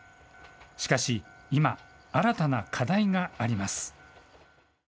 しかし今、新たな課題があります。